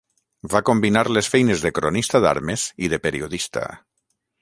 Va combinar les feines de cronista d'armes i de periodista.